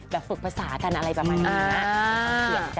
แบบปรึกภาษาอาทันอะไรประมาณนี้นะ